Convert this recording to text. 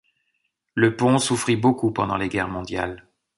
Le pont souffrit beaucoup pendant les guerres mondiales.